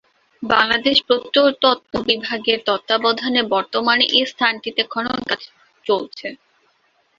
বাংলাদেশ প্রত্নতত্ত্ব বিভাগের তত্ত্বাবধানে বর্তমানে এ স্থানটিতে খনন কাজ চলছে।